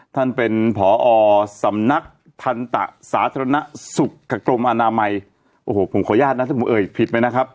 ท่านเป็นผอสำนักทันตะสาธารณสุขกับกรมอนามัยโอ้โหผมขออนุญาตนะถ้าผมเอ่ยผิดไปนะครับ